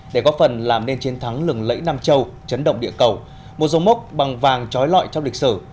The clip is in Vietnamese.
để góp phần làm nên chiến thắng lừng lẫy nam châu chấn động địa cầu một dòng mốc bằng vàng trói lọi trong lịch sử